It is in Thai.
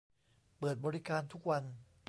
เปิดบริการทุกวัน